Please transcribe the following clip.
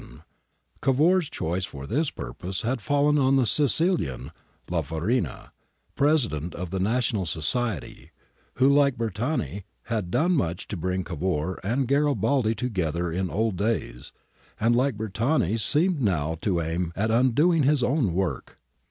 ^ Cavour's choice for this purpose had fallen on the Sicilian, La Farina, President of the National Society, who like Bertani, had done much to bring Cavour and Garibaldi together in old days, and like Bertani seemed now to aim at undoing his own work.